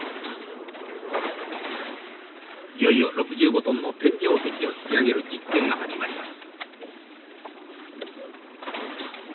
いよいよ６５トンの天井石を引き上げる実験が始まります。